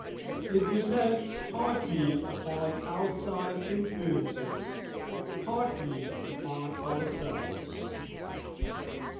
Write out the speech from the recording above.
It depends partly upon outside influences, partly upon ourselves.